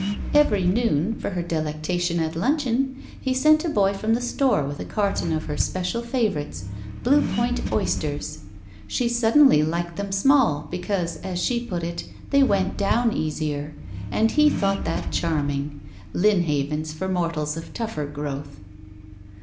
Every noon, for her delectation at luncheon, he sent a boy from the store with a carton of her special favorites — ^Blue Point oysters. She suddenly liked them small because, as she put it, they went down easier, and he thought that charming. Lynnhavens for mortals of tougher growth.